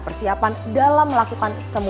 persiapan dalam melakukan semua